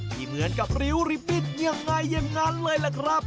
ที่เหมือนกับริวริปิตอย่างไรอย่างนั้นเลยล่ะครับ